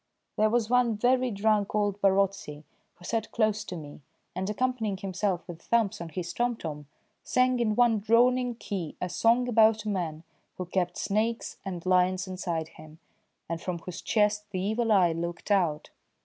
There was one very drunk old Barotse, who sat close to me, and, accompanying himself with thumps on his tomtom, sang in one droning key a song about a man who kept snakes and lions inside him, and from whose chest the evil eye looked out.